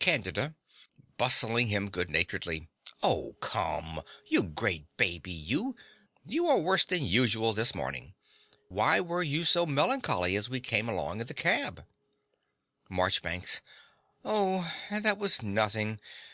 CANDIDA (bustling him goodnaturedly). Oh, come! You great baby, you! You are worse than usual this morning. Why were you so melancholy as we came along in the cab? MARCHBANKS. Oh, that was nothing.